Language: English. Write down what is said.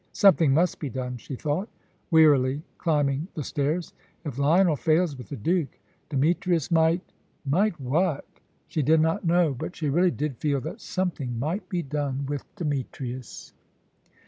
"Something must be done," she thought, wearily climbing the stairs. "If Lionel fails with the Duke, Demetrius might " Might what? She did not know. But she really did feel that something might be done with Demetrius.